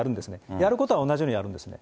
やることは同じようにやるんですね。